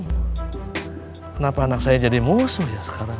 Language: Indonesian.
kenapa anak saya jadi musuh ya sekarang